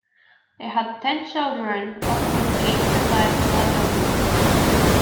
They had ten children, of whom eight survived to adulthood.